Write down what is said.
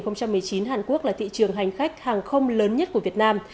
năm hai nghìn một mươi chín hàn quốc là thị trường hành khách hàng không lớn nhất của việt nam